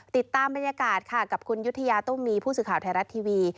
ติดตามบรรยากาศค่ะกับคุณยุธยาตุ้มมีผู้สื่อข่าวไทยรัฐทีวี